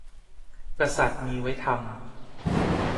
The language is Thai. กษัตริย์มีไว้ทำ